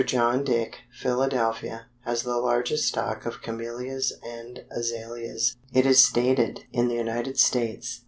John Dick, Philadelphia, has the largest stock of Camellias and Azaleas, it is stated, in the United States.